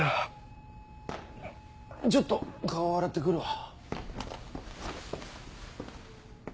ちょっと顔洗って来るわ。